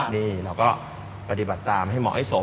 นี่เราก็ปฏิบัติตามให้เหมาะให้สม